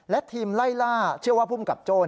และทีมไล่ล่าเชื่อว่าภูมิกับโจ้